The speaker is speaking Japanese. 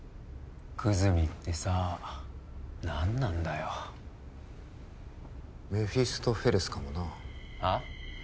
久住ってさ何なんだよメフィスト・フェレスかもなあん？